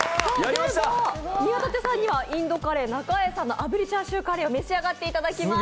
宮舘さんにはインドカレー、中栄さんの炙りチャーシューカレーを召し上がっていただきます。